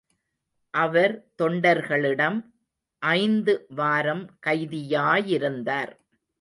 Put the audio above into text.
அவர் தொண்டர்களிடம் ஐந்து வாரம் கைதியாயிருந்தார்.